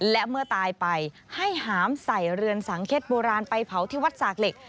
และเมื่อตายไปให้หามใส่เรือนสังเข็ดโบราณไปเผาที่วัดสากเหล็ก